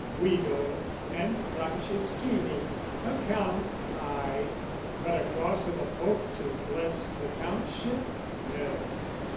Guido and Franceschini; a Count, ay: But a cross i' the poke to bless the Countship? No!